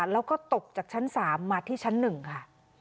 แล้วก็ตกจากชั้นสามมาที่ชั้นหนึ่งค่ะ